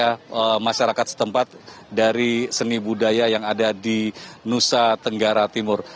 ada masyarakat setempat dari seni budaya yang ada di nusa tenggara timur